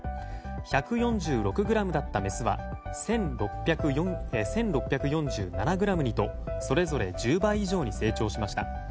１４６ｇだったメスは１６４７ｇにとそれぞれ１０倍以上に成長しました。